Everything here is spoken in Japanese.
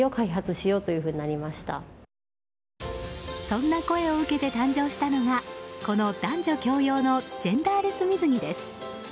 そんな声を受けて誕生したのがこの男女共用のジェンダーレス水着です。